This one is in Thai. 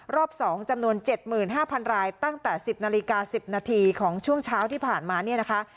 รอบสองจำนวนเจ็ดหมื่นห้าพันรายตั้งแต่สิบนาฬิกาสิบนาทีของช่วงเช้าที่ผ่านมาเนี่ยนะคะ